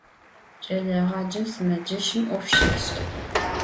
Ç'eleêğacem sımeceşım 'of şêş'e.